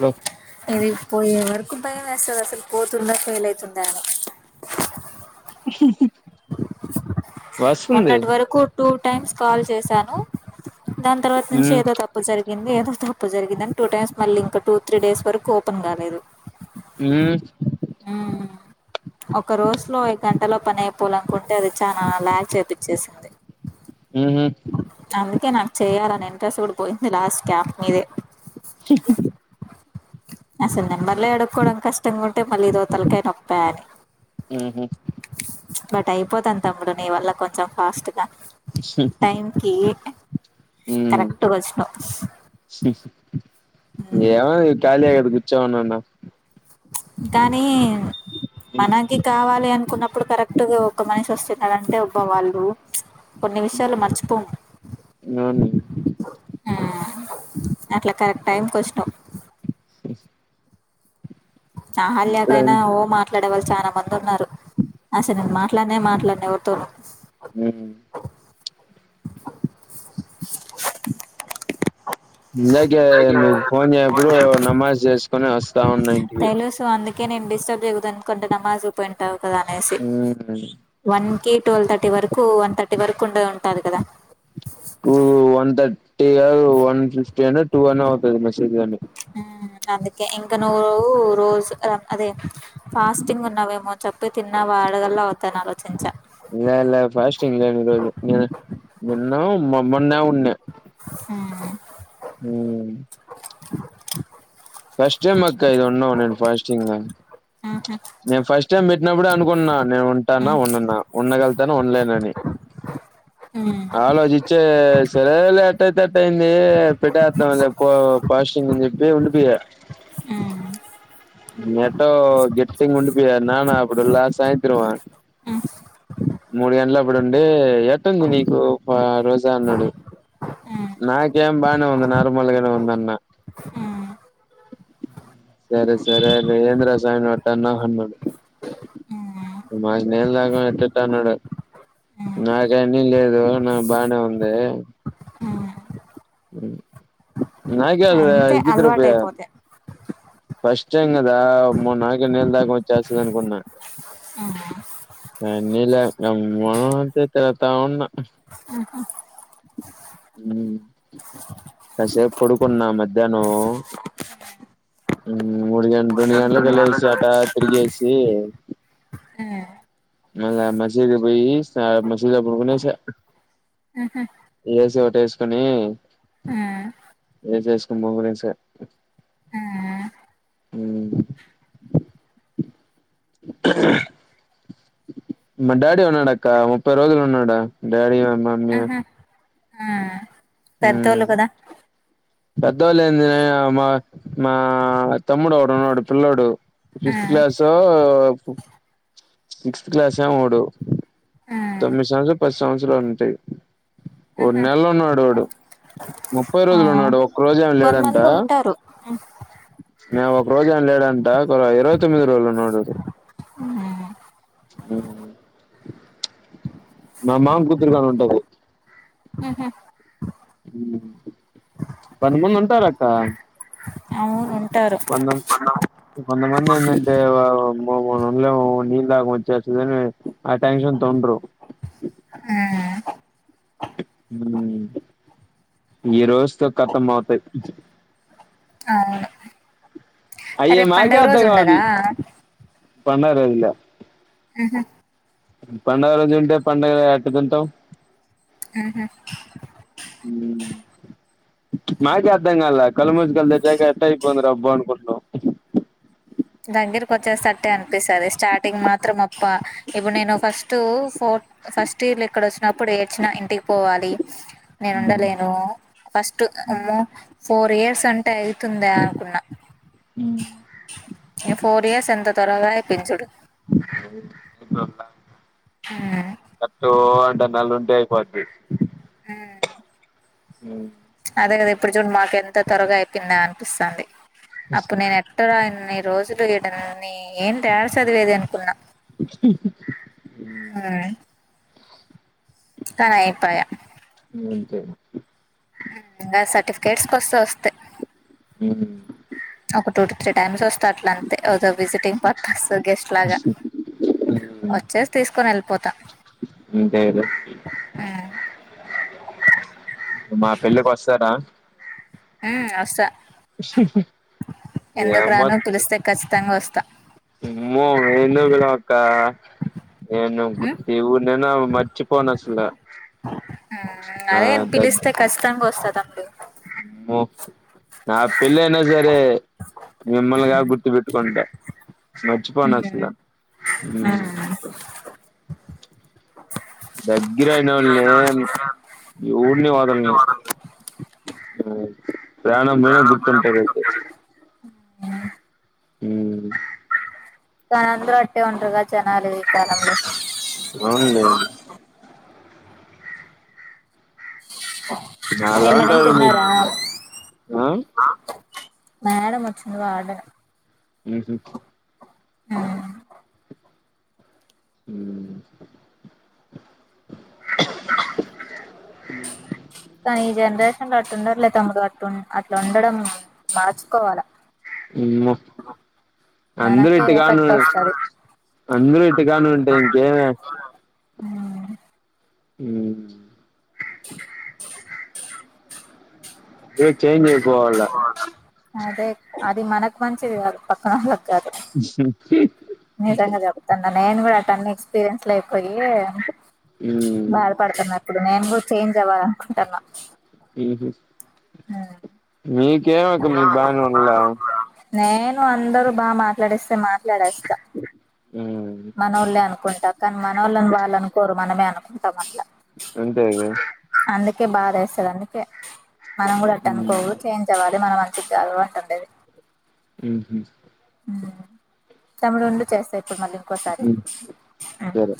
Hello ఏది పోయే వరకు భయమేస్తది అసలు పోతున్నట్టే లేకుండా ఉహ్మ్ హు మొన్నటి వరకు టూ టైమ్స్ కాల్ చేశాను దాని తరవాత నుంచి మ్మ్ ఏదో తప్పు జరిగ్ ది ఏదో తప్పు జరిగిందని టూ టైమ్స్ మల్లింక టూ త్రీ డేస్ వరకు ఓపెన్ గాలేదు మ్మ్ మ్ ఒక రోజులో ఏ గంటలో పనై ప్ పూలనుకుంటే అది చానా లాగ్ చేతిచ్చేసింది మ్మ్హ్ అందుకే నాక్చేయాలని ఇంట్రెస్ట్ కూడా పోయింది లాస్ క్యాంప్ మీదే అసల్ నెంబర్లే ఎడుక్కోడం కష్టంగా ఉంటే మళ్ళ ఇదో తలకైనొప్పాని ఉ బట్ అయిపోతాంది తమ్ముడు నీ వల్ల కొంచెం ఫాస్ట్ గా టైంకి మ్మ్ కరెక్ట్గొచ్చినవ్ ఏవో టాలీ అయేది గుచ్చమన్నన్న కానీ మనకి కావాలి అనుకున్నప్పుడు కరెక్ట్గా ఒక మనిషి వొస్తున్నాడంటే ఒబ్బ వాళ్ళు కొన్ని విషయాలు మర్చిపోమ్ అవును అట్లా కరెక్ట్ టైంకొచ్చినవ్ ఇప్పుడే అహాల్యాకైనా ఓ మాట్లాడేవాళ్ళు చానా మంద్ టున్నారు అసల్ నేన్ మాట్లాడ్నే మాట్లాడ్ను ఎవర్తో మ్మ్ ఇందాకే మీ ఫోన్ జేయపుడు నమాజ్ జేస్కొని వొస్తా ఉన్న ఇంటికి ఇంకే నేన్ డిస్టర్బ్ చేయగుదన్నుకుంటున్న నమాజ్ పోయింటావు. తదా అనేసి మ్మ్ వన్ కి ట్వల్ థర్టీ వరకు కు వన్ థర్టీ వరకు ఉండే ఉంటది కదా టూ వన్ థర్టీ గాదు వన్ ఫిఫ్టీ అని టూ వన్ అవుతది మెసేజ్ చేయినికి హ్మ్ అందుకే ఇంకా నువ్వు రూజ్ అదే ఫాస్టింగ్ ఉన్నావేమోని చెప్తే తిన్నవాడగల్లా అవుతాన ఆలోచించా ఇయ్యల్ల ఫాస్టింగ్ లేను ఈరోజు నేన్ నిన్నో మ మొన్నా ఉన్నే ఆ ఉమ్ ఫస్ట్ టైం అక్క ఇది ఉన్నం నేన్ ఫాస్టింగ్ హుహు నేను ఫస్ట్ టైమ్ పెట్టినప్పుడే అనుకున్నా నేను ఉంటానా హ్మ్ ఉండన ఉండగలతానో ఉండలేనని హ్మ్ అలో జిచ్చే సరేలే ఎట్టయితే అట్టయింది ఏ పెట్టతాం లే పో పాస్టింగ్ అని చెప్పి ఉండిపియా ఊ మెటో గెట్టి కిన్ ఉండిపియా నానా అప్పుడుల్లా సాయంత్రమా హ్మ్ మూడు గంటల అప్పుడుండే ఎట్ ఉంది నీకు అ రోజా అన్నాడు హ్మ్ నాకేం బానే ఉంది నార్మల్గనే ఉంది అన్న హ్మ్ సరే సరే లే ఏంది రా సామీ అట్టన్నావ్ అన్నాన్ హ్మ్ మాది నెల్ దాక ఎట్టేట్టొ అన్నాడు నాకేమీ లేదు నా బానే ఉంది హ్మ్ నాకేంది అంతే ఇజద్ రూపాయ అలవాటయిపోతే ఫస్ట్ టైం కదా [unintelligible] అనుకున్నా ఆహ ఉన్నిలే మొ త తా ఉన్ ఆహా మ్ కాసేపు పడుకున్నా మధ్యాహ్నం మూడు గంట రెండు గంట్లకి లేసి అట తిరిగేసి హ్మ్ మళ్ల మసిదిపోయి [unintelligible] కొనేసి ఏసి ఒటే వేసుకుని హ్మ్ ఏసేసుకుందాం [unintelligible] హ్మ్ ఉమ్ మా డాడి ఉన్నాడాక్క ముప్పై రోజులు ఉన్నాడు. డాడి మమ్మీ పెద్ద ఒళ్ళు కదా పెద్దోళ్లేంది మా మా తమ్ముడు ఒకటున్నాడు పిల్లోడు ఫిఫ్త్ హ్మ్ క్లాసు ఒ సిక్స్త్ క్లాసేమోవడు హ్మ్ తొమ్మిది సంవత్సరాలు పది సంవత్సరాలు ఉంటాయి. కొన్ని ఆహా నెల్లో ఉన్నాడు వాడు ముప్పై ఆ రోజులు ఉన్నాడు ఒక్క రోజ ఏమి లేడంట కొంతమంది ఉంటారు మేము ఒక రోజు ఏనా లేడంట ఒక ఇరవై తొమ్మిది రోల్లు ఉన్నాడు హ్మ్ మ మామ కూతురుగని ఉంటది హుహు పది మంది ఉంటార అక్క అవును ఉంటారు కొంద మంది ఏందంటే [unintelligible] ఆ టెన్షన్ ఇంతొండ్రు ఊ మ్ ఈ రోజుతో కతం అవుతాయి అవును అయ్య రేపు మాకె పండుగ రోజు అర్ధం కావట్లే ఉండదా పండగ రోజు ఇల్లె ఉహు పండగ రోజుంటే పండగ ఎట్ట తింటాం ఉహు మ్ నాకే అర్ధం గాలే కళ్ళుమూసుకొని కళ్ళు తెరిచక ఏటా అయ్యిపోది రా అబ్బా అనుకుంటాం దగ్గరకి వచ్చేస్తట్టే అనిపిస్తది స్టార్టింగ్ మాత్రం అప్ప ఇప్పుడు నేను ఫస్ట్ ఫోర్ ఫస్ట్ ఇయర్ లొ ఇక్కడ వచ్చినప్పుడు ఏడ్చిన ఇంటి పోవాలి నేనుండలేను ఫస్ట్ ఆమ్మో ఫోర్ ఇ స్ అంటే అయితుంద అనుకున్నా ఫోర్ ఇయర్స్ ఎంత త్వరగా ఐపోయింది చూడు [unintelligible] మ్మ్ అటు అంట నాలు ఉంటే అయిపోది ఉమ్ అదే కదా ఇప్పుడు చూడు మాకు ఎంత త్వరగా అయిపోయింద అనిపిస్థంది అప్పుడు నేను ఎట్టరా రోజులు ఇడ ఏం ఏడ చదివేది అనుకున్నా ఉమ్ కానీ అయిప్పయా అంతే సర్టిఫికేట్స్ కో వస్తే వస్తాయ్ ఉ ఒక టూ టు త్రీ టైమ్స్ వస్తారు అట్ల అంతే ఒక విజిటింగ్ పక్క వస్తాయ్ గెస్ట్ లాగా వచ్చేసి తీసుకొని వెళ్ళిపోతా అంతే గదా ఉమ్ మా పెళ్ళికొస్తారా ఉ వస్తా ఎందుకు రాను పిలిస్తే ఖచ్చితంగా వస్తా ఆమ్మో ఎందుకు పిలవన్ అక్క నేను ఉమ్ గత్తి ఎవరూయినా మర్చిపోనా అసలా అదే పిలిస్తే ఖచ్చితంగా వస్తా తమ్ముడు ఓ ఆ పిల్లయినా సరే మీమ్మల్గా గుర్తుబెట్కుంట వచ్చిపోనాస్సలా గా ఉమ్ ఉమ్ దగ్గర అయిన వాళ్ళని ఎవరిని వదలను ప్రాణం పోయిన గుర్తుంటదైతె ఆ ఉమ్ కానీ అందరు అట్టే ఉంటరుగా జనాలు ఈ కాలంలో అవునులే ఎన్నడం నాలాంటోళ్ళు మీ తిన్నారా ఆ మేడం మొచ్చింది వార్డెన్ ఉహు ఆ ఉ కానీ ఈ జనరేషన్ లో అట్ ఉండట్లేదు తమ్ముడు అట్టు అట్లా ఉండడం మార్చుకోవాలా అమ్మ అందర్ మనకే ఇట్ట గాని ఎఫెక్ట్ వస్తది అందరు ఇట్ట కాను ఉంటె ఇంకేమే ఉమ్ ఏ చేంజ్ అయిపోవాల అదే అది మనకు మంచిది కాదు పక్కన వాళ్ళకి కాదు నిజంగా చెప్తాన్న నేను కూడా అటన్ని ఎక్స్పీరియన్స్ లె అయిపోయి ఉమ్ బాధపడుతున్నా ఇప్పుడు నేను గూడ చేంజ్ అవ్వాలీ అనుకుంటన్నా ఉహు ఆ మీకేమక మిక్ బానే ఉండలా నేను అందరు బా మాట్లాడెస్తే మాట్లాడేస్తా మన వాళ్ళ అనుకుంటా కానీ మనోళ్లు వాళ్ళనుకోరు మనమే అనుకుంటామట్ల అంతేగా బాధ వేస్తంది అందుకే మనం కూడా టనుకో చేంజ్ అవ్వాల ఎ మన మంచికి కాదు అంట ఉండేది ఉ హు తముడు ఉండు చేస్తా ఇప్పుడు మళ్ళీ ఇంకోసారి సరే